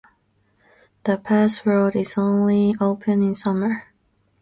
The pass road is only open in summer.